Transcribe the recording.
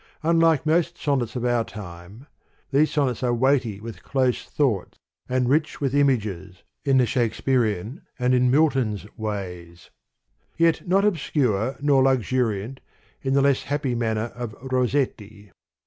Unlike most sonnets of our time, these sonnets are weighty with close thought, and rich with images, in the Shakespearian, and in Mil ton's ways : yet not obscure, nor luxuriant, in the less happy manner of Rossetti.